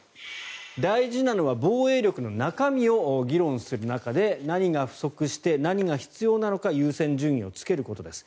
大事なのは防衛力の中身を議論する中で何が不足して、何が必要なのか優先順位をつけることです。